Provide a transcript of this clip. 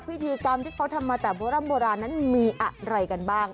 พิธีกรรมที่เขาทำมาแต่โบร่ำโบราณนั้นมีอะไรกันบ้าง